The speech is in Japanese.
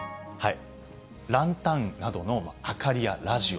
ランタンなどの明かりやラジオ。